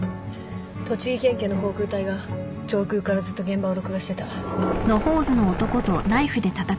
栃木県警の航空隊が上空からずっと現場を録画してた。